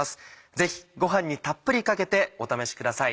ぜひご飯にたっぷりかけてお試しください。